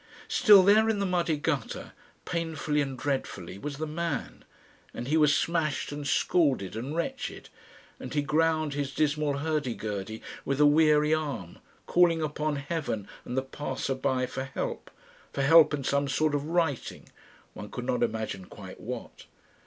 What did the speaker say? Still there in the muddy gutter, painfully and dreadfully, was the man, and he was smashed and scalded and wretched, and he ground his dismal hurdygurdy with a weary arm, calling upon Heaven and the passer by for help, for help and some sort of righting one could not imagine quite what.